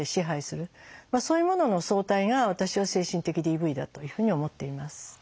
そういうものの総体が私は精神的ＤＶだというふうに思っています。